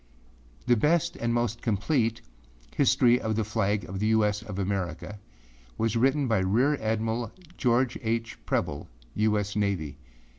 The best and most complete âHistory of the Flag of the U. S. of Americaâ was written by Rear Admiral George H. Preble, U. S. Navy.